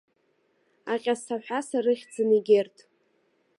Аҟьасаҳәаса рыхьӡын, егьырҭ.